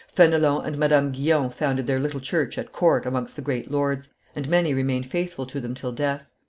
Fenelon and Madame Guyon founded their little church at court and amongst the great lords; and many remained faithful to them till death.